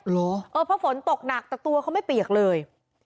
เพราะฝนตกหนักแต่ตัวเขาไม่เปียกเลย